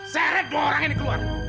seret dua orang ini keluar